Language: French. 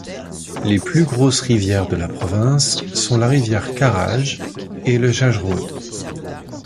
Les plus grosses rivières de la province sont la rivière Karaj et le Jajrud.